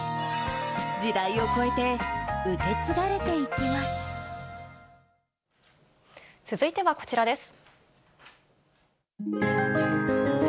時代を超えて、受け継がれていき続いてはこちらです。